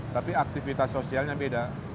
tapi aktivitas sosialnya beda